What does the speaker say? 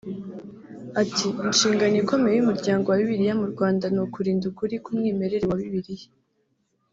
Ati “Inshingano ikomeye y’Umuryango wa Bibiliya mu Rwanda ni ukurinda ukuri k’umwimerere wa Bibiliya